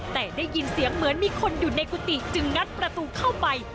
แต่ได้ยินเสียงเหมือนมีคนอยู่ในกุฏิจึงงัดประตูเข้าไป